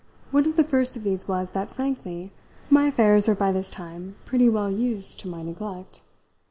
One of the first of these was that, frankly, my affairs were by this time pretty well used to my neglect.